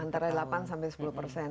antara delapan sepuluh persen